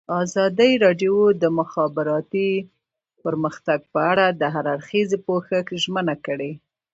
ازادي راډیو د د مخابراتو پرمختګ په اړه د هر اړخیز پوښښ ژمنه کړې.